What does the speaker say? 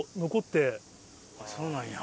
そうなんや。